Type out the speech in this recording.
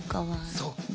そっか。